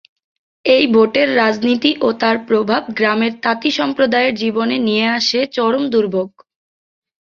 এই ভোটের রাজনীতি ও তার প্রভাব গ্রামের তাঁতি সম্প্রদায়ের জীবনে নিয়ে আসে চরম দুর্ভোগ।